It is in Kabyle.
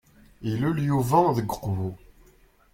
Ilul Yuba deg uqbu.